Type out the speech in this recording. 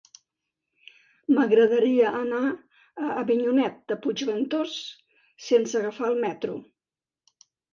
M'agradaria anar a Avinyonet de Puigventós sense agafar el metro.